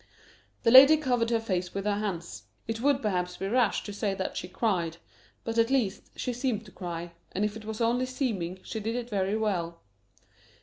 The lady covered her face with her hands. It would, perhaps, be rash to say that she cried; but, at least, she seemed to cry, and if it was only seeming, she did it very well.